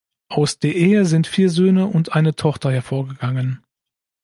Aus der Ehe sind vier Söhne und eine Tochter hervorgegangen.